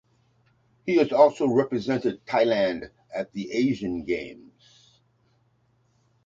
He has also represented Thailand at the Asian Games.